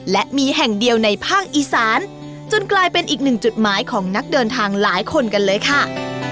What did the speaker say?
และมีแห่งเดียวในภาคอีสานจนกลายเป็นอีกหนึ่งจุดหมายของนักเดินทางหลายคนกันเลยค่ะ